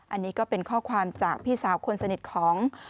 อันนี้ก็เป็นข้อความจากพี่สาวคนสนิทของ